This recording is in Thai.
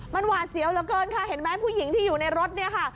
มันหวาดเสียวเหลือเกินค่ะเห็นไหมผู้หญิงที่อยู่ในรถเนี่ยค่ะ